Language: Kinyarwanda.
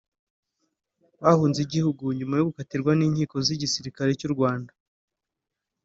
bahunze igihugu nyuma yo gukatirwa n’inkiko z’igisirikare cy’u Rwanda